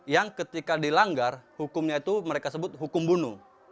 yang ketika dilanggar hukumnya itu mereka sebut hukum bunuh